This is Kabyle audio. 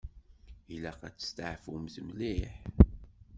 Ilaq ad testeɛfumt mliḥ.